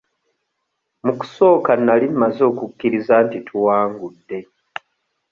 Mu kusooka nali mmaze okukkiriza nti tuwangudde.